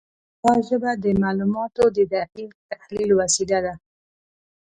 دا ژبه د معلوماتو د دقیق تحلیل وسیله ده.